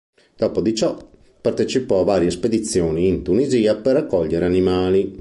Dopo di ciò partecipò a varie spedizioni in Tunisia per raccogliere animali.